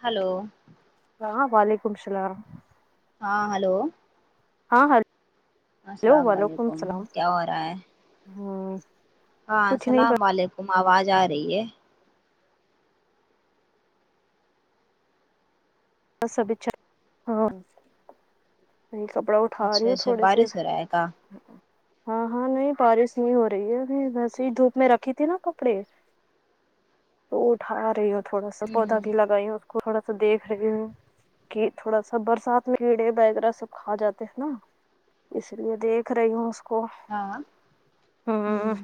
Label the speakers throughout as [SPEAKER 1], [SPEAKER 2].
[SPEAKER 1] hello
[SPEAKER 2] ہاں وعلیکم السلام
[SPEAKER 1] ہاں ہیلو
[SPEAKER 2] ہاں ہر
[SPEAKER 1] السلام علیکم کیا ہو رہا ہے
[SPEAKER 2] ہاں
[SPEAKER 1] ہاں السلام و علیکم آواز آ رہی ہے
[SPEAKER 2] سبچھا ہاں نہیں کپڑا اٹھا رہی
[SPEAKER 1] اچھا
[SPEAKER 2] ہوں
[SPEAKER 1] اچھا
[SPEAKER 2] تھوڑے سے
[SPEAKER 1] بارش ہو رہا ہے کا
[SPEAKER 2] ہاں ہاں نہیں بارش نہیں ہو رہی ہے ویسے ہی دھوپ میں رکھی تھی نا کپڑے تو اٹھا رہی ہو تھوڑا سا
[SPEAKER 1] ہ
[SPEAKER 2] پودا بھی لگائی ہو اس کو تھوڑا سا دیکھ رہی ہو کہ تھوڑا سا برسات میں کیڑے وغیرہ سب کھا جاتے ہیں نا اس لیے دیکھ رہی ہوں اس کو
[SPEAKER 1] ہاں ہ
[SPEAKER 2] ہمم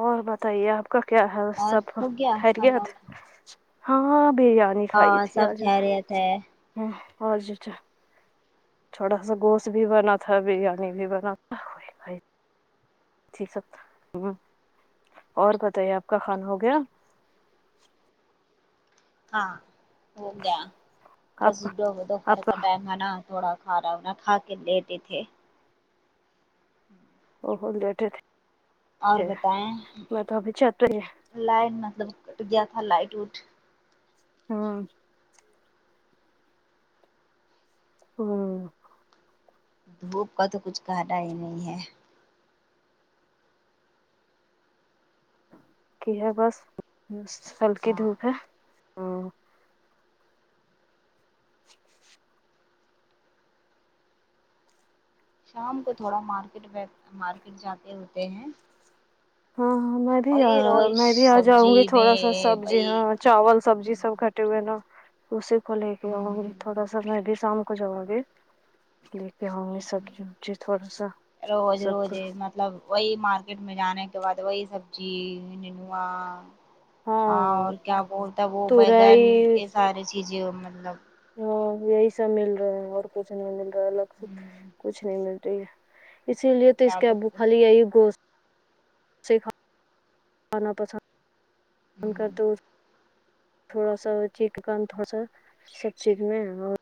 [SPEAKER 2] اور بتائیے آپ کا کیا حال
[SPEAKER 1] اور
[SPEAKER 2] سب
[SPEAKER 1] ہو گیا کھانا
[SPEAKER 2] خیریت
[SPEAKER 1] وانا
[SPEAKER 2] ہاں بد ن کھائی
[SPEAKER 1] ہاں
[SPEAKER 2] تھی
[SPEAKER 1] سب
[SPEAKER 2] آج بھی
[SPEAKER 1] خیریت ہے
[SPEAKER 2] [unintelligible] ہ ہج تو چھوڑا سا گوشت بھی بنا تھا بریانی بھی بنا تھا ٹھیک س ہمم اور بتائیے آپ کا کھانا ہو گیا
[SPEAKER 1] ہاں ہو گیا
[SPEAKER 2] آپ
[SPEAKER 1] بس
[SPEAKER 2] کا
[SPEAKER 1] دو دوپہر کا ٹائم ہے نا تھوڑا کھارا انا کھا کے لیٹے تھے ہوں
[SPEAKER 2] لیٹے تھے میں تو ابھی چہت ہی
[SPEAKER 1] لائن مطلب کٹ گیا تھا لائٹ وٹ
[SPEAKER 2] ہاں ہوں
[SPEAKER 1] دھوپ کا تو کچھ کہنا ہی نہیں ہے
[SPEAKER 2] کی ہے بس ہلکی
[SPEAKER 1] ہاں
[SPEAKER 2] دھوپ ہے ہمم
[SPEAKER 1] شام کو تھوڑا مارکیٹ مارکیٹ جاتے ہوتے ہیں
[SPEAKER 2] ہاں ہاں میں بھی
[SPEAKER 1] وہی روز
[SPEAKER 2] میں بھی آ جاؤں گی
[SPEAKER 1] سبزی
[SPEAKER 2] تھوڑا سا
[SPEAKER 1] میں
[SPEAKER 2] سبزی ہاں
[SPEAKER 1] وہی
[SPEAKER 2] چاول سبزی سب کھٹے ہوئے نا اسی کو لے کے آؤں گی تھوڑا سا میں بھی شام ہو جواگے لے کے ہم یہ سبزیبی تھوڑا سا
[SPEAKER 1] روز
[SPEAKER 2] سب
[SPEAKER 1] روز
[SPEAKER 2] کا
[SPEAKER 1] مطلب وہی مارکیٹ میں جانے کے بعد وہی سبزی ننوا ہاں اور کیا بولتا وہ بیگن
[SPEAKER 2] تورئی
[SPEAKER 1] یہ سارے چیزیں مطلب
[SPEAKER 2] ہاں یہی سب مل رہا ہیں اور کچھ نہیں مل رہا الگ سے کچھ نہیں مل اسی لیے تو اس کے
[SPEAKER 1] زیادہ
[SPEAKER 2] ا بو خالی یہی گوشت سے کھانا پسند اس تھوڑا سا چیٹ کام تھوڑا سا سب چیز میں اور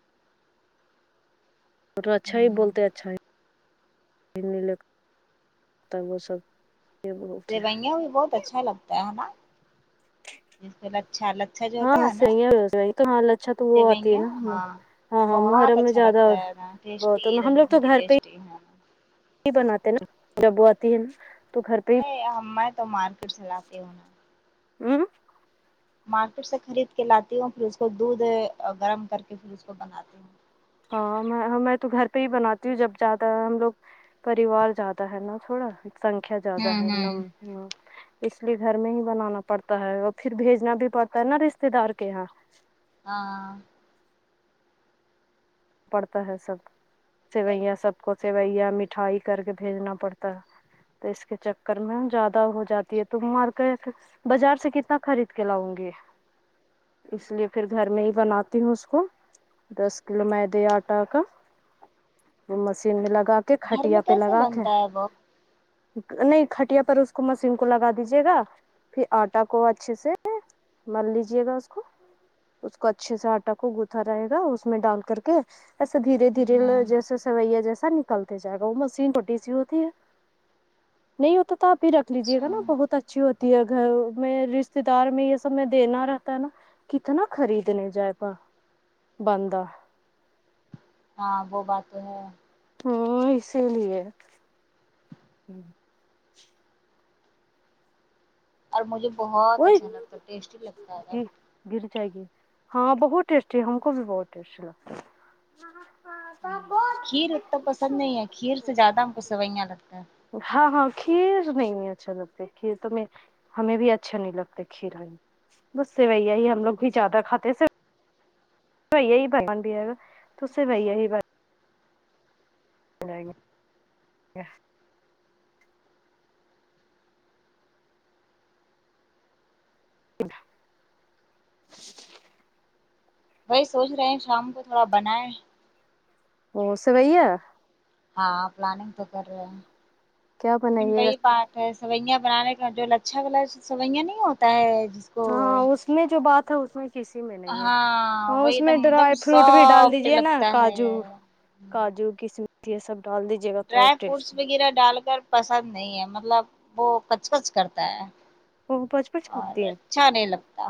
[SPEAKER 2] اور اچھا ہی بولتے اچھا ہی ہندی لے کر تب وہ سب یہ بولتے ہیں
[SPEAKER 1] سوئیاں بھی بہت اچھا لگتا ہے نا اس اچھا
[SPEAKER 2] ہاں ہاں سیا ہو تو حال اچھا تو وہ آتی ہے
[SPEAKER 1] سیوئیاں
[SPEAKER 2] نا
[SPEAKER 1] ہاں
[SPEAKER 2] ہاں ہاں
[SPEAKER 1] بہت
[SPEAKER 2] محرم میں
[SPEAKER 1] اچھا
[SPEAKER 2] زیادہ
[SPEAKER 1] لگتا ہے نا
[SPEAKER 2] وہ تو
[SPEAKER 1] ٹیسٹی ایک
[SPEAKER 2] ہم
[SPEAKER 1] دم
[SPEAKER 2] لوگ تو
[SPEAKER 1] ویری
[SPEAKER 2] گھر پہ ہی
[SPEAKER 1] ٹیسٹی ہے
[SPEAKER 2] بناتے ہیں نا جب وہ آتی ہے نا تو گھر پہ ہی
[SPEAKER 1] میں تو مارکیٹ سے لاتی ہوں
[SPEAKER 2] ہوں
[SPEAKER 1] مارکیٹ سے خرید کے لاتی ہوں پھر اس کو دودھ گرم کر کے پھر اس کو بناتی ہوں
[SPEAKER 2] ہاں میں تو گھر پہ ہی بناتی ہوں جب زیادہ ہم لوگ پریوار زیادہ ہے نا تھوڑا سنکھیا زیادہ
[SPEAKER 1] ہوں
[SPEAKER 2] ہے ن
[SPEAKER 1] ہوں
[SPEAKER 2] ہ اس لیے گھر میں ہی بنانا پڑتا ہے اور پھر بھیجنا بھی پڑتا ہے نا رشتے دار کے یہاں
[SPEAKER 1] ہاں
[SPEAKER 2] پڑتا ہے سب سیوئیاں سب کو سوئیاں مٹھائی کر کے بھیجنا پڑتا ہے تو اس کے چکر میں زیادہ ہو جاتی ہے تم مارکیٹ بازار سے کتنا خرید کے لاؤں گی اس لیے پھر گھر میں ہی بناتی ہوں اس کو دس کلو می دے آٹا کا وہ مشین میں لگا کے
[SPEAKER 1] گھر میں
[SPEAKER 2] کھٹیا پہ
[SPEAKER 1] کیسے
[SPEAKER 2] لگا کے
[SPEAKER 1] بنتا ہے وہ
[SPEAKER 2] نہیں کھٹیا پر اس کو مسیین کو لگا دیجیے گا پھر آٹا کو اچھے سے مل لیجے گا اس کو اس کو اچھے سے آٹا کو گتھا رہے گا اس میں ڈال کر کے ایسے دھیرے دھیرے
[SPEAKER 1] ہوں
[SPEAKER 2] جیسے سویاں جیسا نکلتے جائے گا وہ مشین چھوٹی سی ہوتی ہے نہیں ہوتا تو آپ ہی رکھ لیجیے گا
[SPEAKER 1] اچھا
[SPEAKER 2] نا بہت اچھی ہو تی ہے گھر میں رشتے دار میں یہ سب میں دینا رہتا ہے نا کتنا خریدنے جائے با بندہ
[SPEAKER 1] ہاں وہ بات تو ہے
[SPEAKER 2] ہاں اسی لیے
[SPEAKER 1] اور مجھے بہت
[SPEAKER 2] وہ
[SPEAKER 1] اچھا لگتا ہے ٹیسٹی لگتا ہے
[SPEAKER 2] گر جائے گی ہاں بہت ٹیسٹی ہم کو بھی بہت ٹیسٹی لگتا ہے ہاں ہاں [unintelligible]
[SPEAKER 1] کھیر اتنا پسند نہیں ہے کھیر سے زیادہ ہم کو سوئیاں لگتا ہے
[SPEAKER 2] ہاں ہاں کھیر نہیں اچھا لگتا کھیر تو میں ہمیں بھی اچھا نہیں لگتا کھیر ہمیں بس سوئیاں ہی ہم لوگ بھی زیادہ کھاتے ہیں سے تو یہی پسند بھی ہے نا تو سیویاں ہی بن جائے گے کیا خ
[SPEAKER 1] وہی سوچ رہے ہیں شام کو تھوڑا بنائے
[SPEAKER 2] او سیویان
[SPEAKER 1] ہاں پلاننگ تو کر رہے ہیں
[SPEAKER 2] کیا
[SPEAKER 1] لیکن
[SPEAKER 2] بنائیے گا
[SPEAKER 1] وہی بات تو سویاں بنانے کا جو اچھا گلا سویاں نہیں ہوتا ہے جس
[SPEAKER 2] ہاں
[SPEAKER 1] کو
[SPEAKER 2] اس میں جو بات ہے اس میں کسی میں نہیں ہے ہاں
[SPEAKER 1] وہ
[SPEAKER 2] اس
[SPEAKER 1] ایک
[SPEAKER 2] میں
[SPEAKER 1] دم ایک دم
[SPEAKER 2] ڈرائی فروٹ بھی ڈال
[SPEAKER 1] سافٹ
[SPEAKER 2] دیجے نا
[SPEAKER 1] لگتا ہے
[SPEAKER 2] کاجو کاجو کسمش یہ سب ڈال دیں
[SPEAKER 1] ڈرائی فروٹس وغیرہ ڈال کر پسند نہیں ہے مطلب وہ کچ کچ کرتا ہے
[SPEAKER 2] وہ پچ پچ
[SPEAKER 1] اور اچھا نہیں لگتا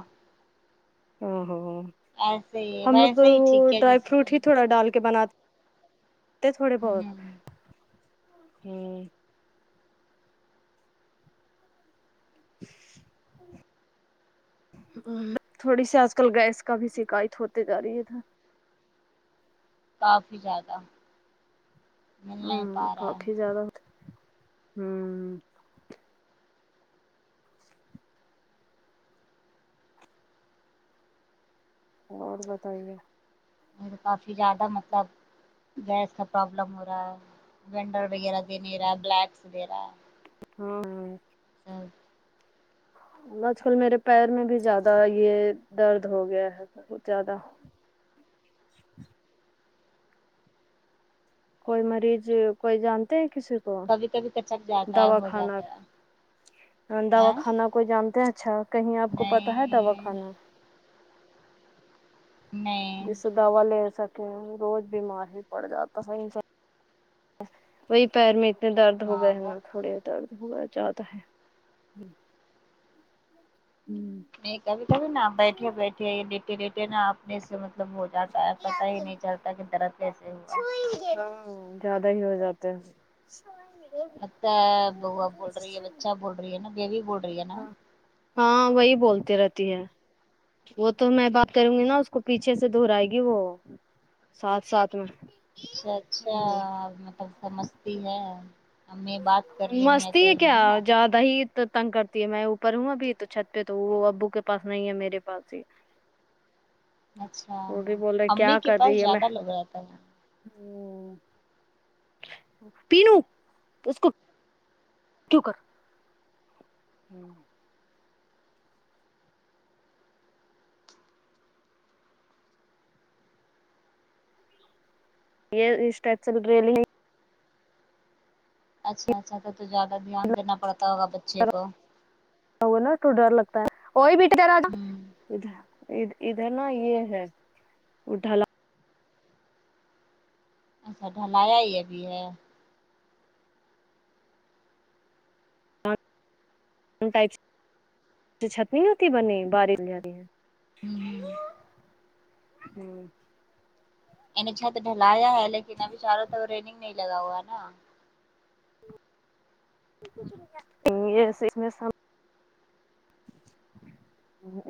[SPEAKER 2] او ہو
[SPEAKER 1] ایسے ہی
[SPEAKER 2] ہم لوگ تو
[SPEAKER 1] ویسے ہی
[SPEAKER 2] وہ
[SPEAKER 1] ٹھیک ہے
[SPEAKER 2] ڈرائی
[SPEAKER 1] جیسے
[SPEAKER 2] فروٹ ہی تو تھوڑا ڈال کے بناتے تھوڑے بہت ہوں [inaudible] تھوڑی سی آج کل گیس کا بھی شکایت ہوتے جا رہی ہے
[SPEAKER 1] کافی زیادہ مل
[SPEAKER 2] ہوں
[SPEAKER 1] نہیں پا رہا ہے
[SPEAKER 2] کافی زیادہ ہوتے ہوں اور بتائیے
[SPEAKER 1] میں بتاتی زیادہ مطلب گیس کا پروابلم ہو رہا ہے وینڈر وغیرہ د نہیں رہا ہے بلیکس دے رہا ہے
[SPEAKER 2] ہوں ہوں
[SPEAKER 1] تب
[SPEAKER 2] آج کل میرے پیر میں بھی زیادہ یہ درد ہو گیا ہے بہت زیادہ کوئی مریض کوئی جانتے ہیں کسی کو
[SPEAKER 1] لیکن
[SPEAKER 2] دواخانہ ہاں
[SPEAKER 1] ہے
[SPEAKER 2] دواخانہ کوئی جانتے ہیں اچھا کہیں آپ کو پتا ہے دوا
[SPEAKER 1] نہیں
[SPEAKER 2] خانہ
[SPEAKER 1] نئی
[SPEAKER 2] جس سے دوا لے سکے روز بیمار ہی پڑ جاتا ہے صح وہی پیر میں اتنے درد ہو گئے
[SPEAKER 1] ہاں وہ
[SPEAKER 2] نا تھوڑے درد ہوا جیادہ ہے ہوں
[SPEAKER 1] نہیں کبھی کبھی نا بیٹھے بیٹھے لیٹے لیٹے نا اپنے سے مطلب وہ جاتا ہے پتا ہی نہیں چلتا کہ درد کیسے ہوا
[SPEAKER 2] چھوئیں ہاں زیادہ ہی ہو جاتے ہیں
[SPEAKER 1] اچھا بوا بول رہی ہے بچا بول رہی ہے نا بیوی بول رہی ہے نا
[SPEAKER 2] ہاں وہی بولتی رہتی ہے وہ تو میں بات کروں گی نا اس کو پیچھے سے دہرائے گی وہ ساتھ ساتھ میں
[SPEAKER 1] اچھا اچھا مطلب س مستی میں ہے ہمیں بات کر رہی ہیں کہ ہے نا
[SPEAKER 2] دہی تو تنگ کرتی ہے میں اوپر ہوں ابھی تو چھت پہ تو وہ ابو کے پاس نہیں ہے میرے پاس ہی
[SPEAKER 1] اچھا
[SPEAKER 2] وہ بھی بول رہے
[SPEAKER 1] امی
[SPEAKER 2] کیا
[SPEAKER 1] کے
[SPEAKER 2] کر
[SPEAKER 1] پاس
[SPEAKER 2] رہی ہے میں
[SPEAKER 1] زیادہ لوگ رہتا ہے
[SPEAKER 2] ہوں پینو اس کو ٹو کر ہوں یہ اسٹ [unintelligible]
[SPEAKER 1] اچھا اچھا تو تو زیادہ دھیان دینا پڑتا ہوگا بچے کو
[SPEAKER 2] ہ نا تو ڈر لگتا ہے وہ ہی بھی ٹھہرا
[SPEAKER 1] ہوں
[SPEAKER 2] ادھر ا د ادھر نا یہ ہے ا ڈھلا
[SPEAKER 1] اچھا ڈھلایا یہ بھی ہے
[SPEAKER 2] [unintelligible] چھت نہیں ہوتی بنی بارش جاتی ہے
[SPEAKER 1] ہوں
[SPEAKER 2] ہوں
[SPEAKER 1] ان چھت ڈھلایا لیکن ابھی چاروں طرف ریلنگ نہیں لگا ہوا نا
[SPEAKER 2] [unintelligible]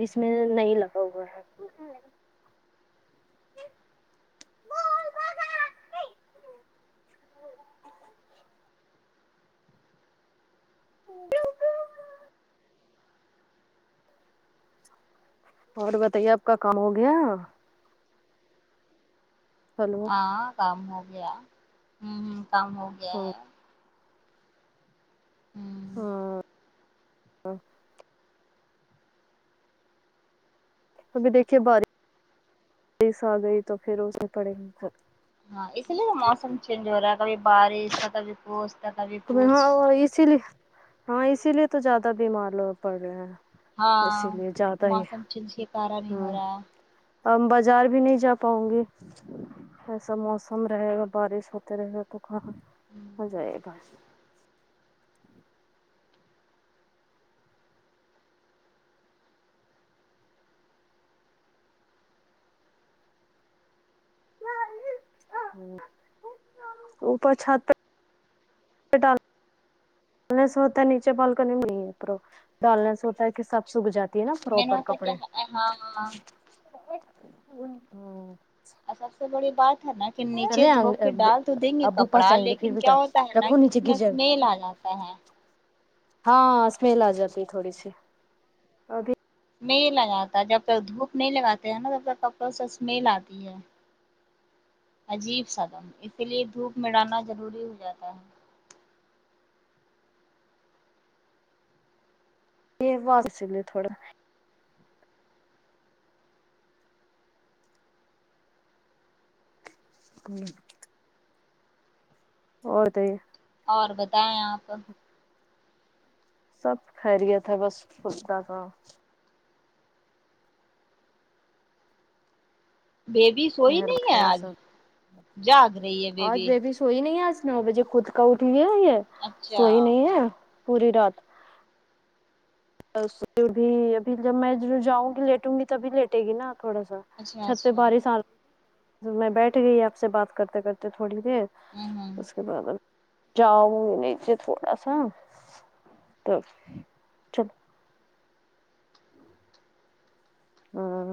[SPEAKER 2] اس میں نہیں لگا ہوا ہے [inaudible] اور بتائیے آپ کا کام ہو گیا ہلو
[SPEAKER 1] ہاں کام ہو گیا ہوں ہوں کام ہو گیا
[SPEAKER 2] ہاں
[SPEAKER 1] ہے ہوں
[SPEAKER 2] ہاں ا ابھی دیکھیے بارش بس آ گئی تو پھر اسے پڑے ہم
[SPEAKER 1] ہاں اس لیے موسم چینج ہو رہا ہے کبھی بارش کبھی کچھ تو کبھی کچھ
[SPEAKER 2] ہاں اسی لیے ہاں اسی لیے تو زیادہ بیمار لوگ پڑ رہے ہیں
[SPEAKER 1] ہاں
[SPEAKER 2] اسی لیے زیادہ ہی
[SPEAKER 1] موسم چینج کے کارن ہی ہو رہا ہے
[SPEAKER 2] ا بازار بھی نہیں جا پاؤں گی ایسا موسم رہے گا بارش ہوتے رہے گا تو کاں ہو جائے گا کا اوپر چھت پے [unintelligible] دال نئی ایسا ہوتا ہے نیچے بالکنی میں نہیں ہے ڈال نے سے ہوتا ہے کہ سب سوکھ جاتا ہے تی ہے نا
[SPEAKER 1] میں نے
[SPEAKER 2] پروپر
[SPEAKER 1] ہوتا کیا
[SPEAKER 2] کپڑے
[SPEAKER 1] ہاں ہاں
[SPEAKER 2] ہوں
[SPEAKER 1] سب سے بڑی بات ہے نا کے نیچے
[SPEAKER 2] چلے
[SPEAKER 1] دھو کے ڈال تو دیں گے
[SPEAKER 2] ابو پاس
[SPEAKER 1] کپڑا
[SPEAKER 2] جائیں گے پھر
[SPEAKER 1] لیکن
[SPEAKER 2] بیٹا
[SPEAKER 1] کیا ہوتا ہے نا
[SPEAKER 2] رکھو
[SPEAKER 1] کہ
[SPEAKER 2] نیچے
[SPEAKER 1] اس
[SPEAKER 2] گر
[SPEAKER 1] میں
[SPEAKER 2] جائے
[SPEAKER 1] اسمیل آ جاتا ہے
[SPEAKER 2] ہاں اسمیل آ جاتی ہے تھوڑی سی ابھی
[SPEAKER 1] میل لگاتا ہے جب تک دھوپ نہیں لگاتے ہیں نا تب تک کپڑوں سے اسمیل آتی ہے عجیب سدم اسی لیے دھوپ میں ڈالنا ضروری ہو جاتا ہے
[SPEAKER 2] یہ باز سلے تھوڑا ہمم اور دے
[SPEAKER 1] اور بتائیں آپ
[SPEAKER 2] سب خیریت ہے بس [unintelligible]
[SPEAKER 1] بیبی سوئی
[SPEAKER 2] مہر
[SPEAKER 1] نہیں ہے
[SPEAKER 2] خیر
[SPEAKER 1] آج
[SPEAKER 2] سب
[SPEAKER 1] جاگ رہی ہے بیبی
[SPEAKER 2] سوئی نہیں آج نو بجے خود کا اٹ رہ ہے یہ
[SPEAKER 1] اچھا
[SPEAKER 2] سوئی نہیں ہے پوری رات بس بھی ابھی جب میں جاؤں گی لیٹوں گی تب لیٹے گی نا تھوڑا سا
[SPEAKER 1] اچھا
[SPEAKER 2] چھت پہ
[SPEAKER 1] اچھا
[SPEAKER 2] بارش آ رہی میں بیٹھ گئی آپ سے بات کرتے کرتے تو تھوڑی دیر
[SPEAKER 1] ہوں ہوں
[SPEAKER 2] اس کے بعد جاؤ نیچے تھوڑا سا تو چلو ہاں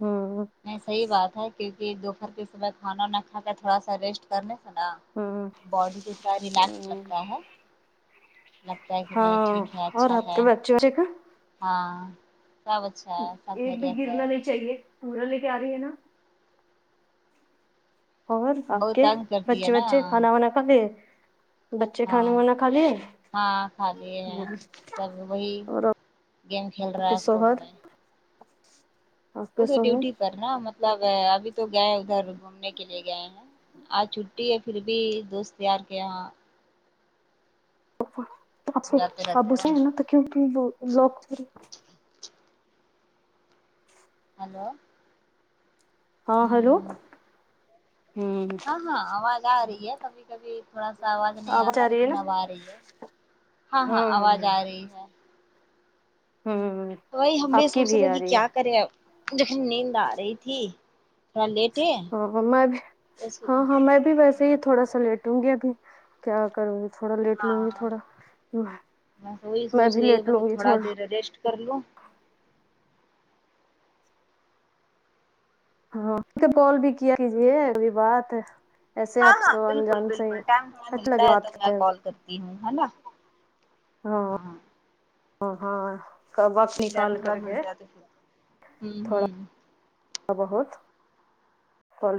[SPEAKER 2] ہاں
[SPEAKER 1] میں صحیح بات ہے کیونکہ جو گھر کے صبح کھانا وانا کا کر تھوڑا سا ریسٹ کرنے سے نہ
[SPEAKER 2] ہ
[SPEAKER 1] باڈی کو تھڑا ریلیکس لگتا ہے لگتا ہے کہ نہیں
[SPEAKER 2] ہاں
[SPEAKER 1] ٹھیک ہے
[SPEAKER 2] اور
[SPEAKER 1] اچھا
[SPEAKER 2] آپ
[SPEAKER 1] ہے
[SPEAKER 2] کے بچے بچے کا
[SPEAKER 1] ہاں سب اچھا ہے سب خیریت ہے
[SPEAKER 2] چلیے پورا لے کے آ رہی ہے نا اور آپ
[SPEAKER 1] بہت
[SPEAKER 2] کے
[SPEAKER 1] تنگ کرتی ہے
[SPEAKER 2] بچے
[SPEAKER 1] نا
[SPEAKER 2] وچے کھانا وانا کھا گئے
[SPEAKER 1] ہاں ہاں کھا لیے ہیں تب وہی
[SPEAKER 2] اور
[SPEAKER 1] گیم کھیل
[SPEAKER 2] آپ
[SPEAKER 1] رہا
[SPEAKER 2] کے
[SPEAKER 1] ہے فون
[SPEAKER 2] شوہر
[SPEAKER 1] میں
[SPEAKER 2] آپ
[SPEAKER 1] ا
[SPEAKER 2] کے
[SPEAKER 1] تو ڈیوٹی
[SPEAKER 2] شوہر
[SPEAKER 1] پر نا مطلب ابھی تو گئے ادھر گھومنے کے لیے گئے ہیں آج چھٹی ہے پھر بھی دوست یار کے یہاں
[SPEAKER 2] آپ سے
[SPEAKER 1] جاتے رہتے
[SPEAKER 2] اپو سے
[SPEAKER 1] ہیں
[SPEAKER 2] ہے نا تو کیوں ت لوگ [unintelligible]
[SPEAKER 1] ہیلو
[SPEAKER 2] ہاں ہلو ہوں
[SPEAKER 1] ہاں ہاں آواز آ رہی ہے کبھی کبھی تھوڑا سا آواز نہیں آتا
[SPEAKER 2] آ رہی ہے
[SPEAKER 1] لیکن
[SPEAKER 2] نا
[SPEAKER 1] اب آ رہی ہے ہاں ہاں آواز آ رہی ہے
[SPEAKER 2] ہوں
[SPEAKER 1] تو وہی ہم بھی
[SPEAKER 2] آپ کی
[SPEAKER 1] سوچ رہے
[SPEAKER 2] آ
[SPEAKER 1] کہ
[SPEAKER 2] رہی ہے
[SPEAKER 1] کیا کرے مجھے نیند آ رہی تھی تھوڑا لیٹ ہے
[SPEAKER 2] ہاں میں بھی
[SPEAKER 1] اس
[SPEAKER 2] ہاں ہاں میں بھی وس یہ تھوڑا سا لیٹوں گی ابھی کیا کروں تھوڑا لیٹ لوں گی
[SPEAKER 1] ہاں
[SPEAKER 2] تھوڑا
[SPEAKER 1] بس وہی
[SPEAKER 2] میں
[SPEAKER 1] سوچ
[SPEAKER 2] بھی
[SPEAKER 1] رہی
[SPEAKER 2] لیٹ
[SPEAKER 1] ہوں کہ
[SPEAKER 2] لوں گی تھوڑا
[SPEAKER 1] دیر ریسٹ کر لو
[SPEAKER 2] ہاں تو کال بھی کیا کیجے ابھی بات ایسے
[SPEAKER 1] ہاں
[SPEAKER 2] آپ
[SPEAKER 1] ہاں
[SPEAKER 2] تو
[SPEAKER 1] بالکل
[SPEAKER 2] انجان سے
[SPEAKER 1] بالکل ٹائم تھوڑا
[SPEAKER 2] اچھا
[SPEAKER 1] ملتا
[SPEAKER 2] لگے
[SPEAKER 1] ہے تو
[SPEAKER 2] بات
[SPEAKER 1] میں
[SPEAKER 2] کرتے ہیں
[SPEAKER 1] کال کرتی ہوں ہے نا ہاں
[SPEAKER 2] ہاں ہاں کب وش
[SPEAKER 1] م تھوڑا ملتا ہے تو پھر ہوں ہوں
[SPEAKER 2] ہاں بہت کال